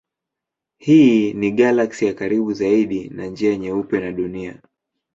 Hii ni galaksi ya karibu zaidi na Njia Nyeupe na Dunia.